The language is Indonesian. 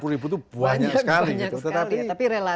sembilan puluh ribu itu banyak sekali